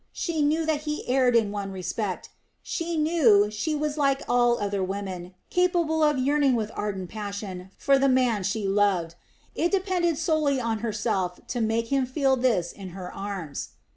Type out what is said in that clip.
She knew that he erred in one respect; she knew she was like all other women, capable of yearning with ardent passion for the man she loved. It depended solely on herself to make him feel this in her arms.